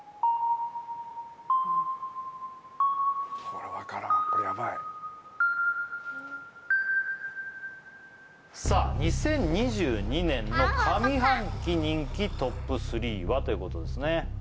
これわからんこれやばいさあ２０２２年の上半期人気トップ３は？ということですね